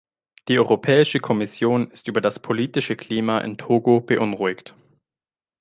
Die Europäische Kommission ist über das politische Klima in Togo beunruhigt.